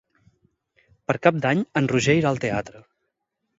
Per Cap d'Any en Roger irà al teatre.